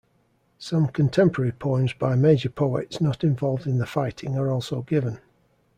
Some contemporary poems by major poets not involved in the fighting are also given.